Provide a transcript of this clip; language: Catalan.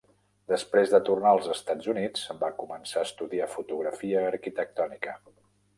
Després de tornar als Estats Units, va començar a estudiar fotografia arquitectònica.